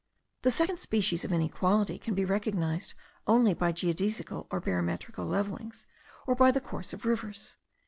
The second species of inequality can be recognised only by geodesical or barometric levellings, or by the course of rivers.